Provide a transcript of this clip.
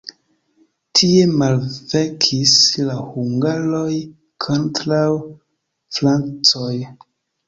Tie malvenkis la hungaroj kontraŭ francoj.